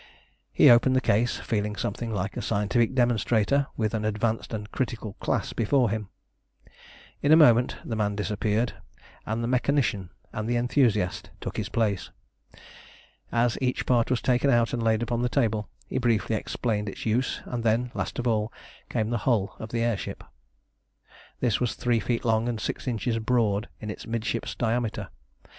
He opened the case, feeling something like a scientific demonstrator, with an advanced and critical class before him. In a moment the man disappeared, and the mechanician and the enthusiast took his place. As each part was taken out and laid upon the table, he briefly explained its use; and then, last of all, came the hull of the air ship. This was three feet long and six inches broad in its midships diameter.